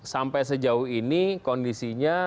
sampai sejauh ini kondisinya